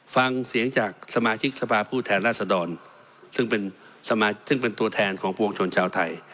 ฟังเสียงจากสมาชิกสภาพผู้แทนราษดรซึ่งเป็นสมาชิกซึ่งเป็นตัวแทนของปวงชนชาวไทย